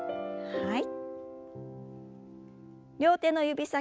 はい。